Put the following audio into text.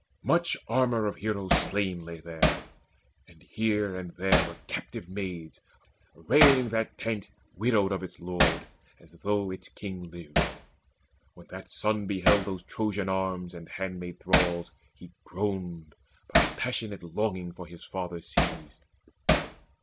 Much armour of heroes slain Lay there; and here and there were captive maids Arraying that tent widowed of its lord, As though its king lived. When that son beheld Those Trojan arms and handmaid thralls, he groaned, By passionate longing for his father seized.